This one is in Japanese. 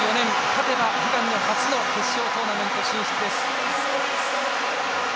勝てば悲願の初の決勝トーナメント進出です。